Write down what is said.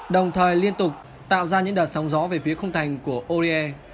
đồng thời liên tục tạo ra những đợt sóng gió về phía không thành của ore